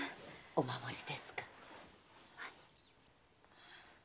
お守りですか？